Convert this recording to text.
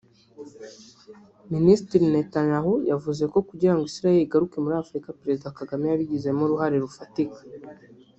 Minisitiri Netanyahu yavuze ko kugira ngo Isiraheli igaruke muri Afurika Perezida Kagame yabigizemo uruhare rufatika